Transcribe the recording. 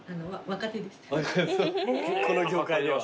この業界では。